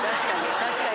確かに。